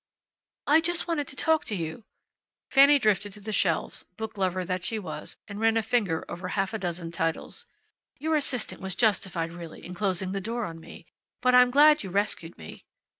"I just wanted to talk to you." Fanny drifted to the shelves, book lover that she was, and ran a finger over a half dozen titles. "Your assistant was justified, really, in closing the door on me. But I'm glad you rescued me."